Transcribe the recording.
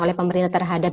oleh pemerintah terhadap